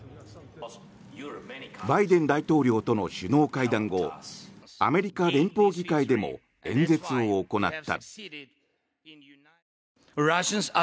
バイデン大統領との首脳会談後アメリカ連邦議会でも演説を行った。